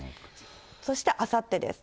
そしてあさってです。